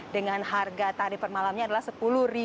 dengan harga tari per malamnya adalah rp sepuluh